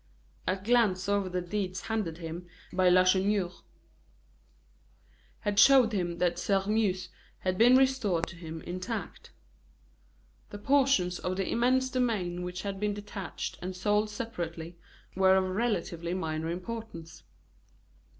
A glance over the deeds handed him by Lacheneur had shown him that Sairmeuse had been restored to him intact. The portions of the immense domain which had been detached and sold separately were of relatively minor importance.